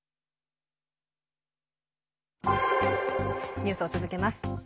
ニュースを続けます。